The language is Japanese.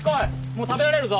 もう食べられるぞ。